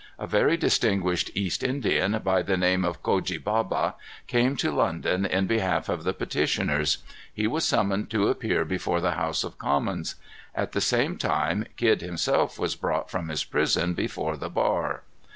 A very distinguished East Indian, by the name of Cogi Baba, came to London in behalf of the petitioners. He was summoned to appear before the House of Commons. At the same time Kidd himself was brought from his prison before the bar.